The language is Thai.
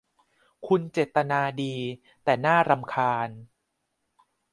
คุณเจตนาดี แต่น่ารำคาญ